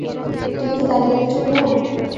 তুমি কি তাদের একজন নও।